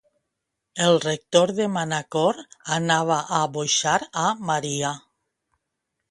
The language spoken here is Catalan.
El rector de Manacor anava a boixar a Maria.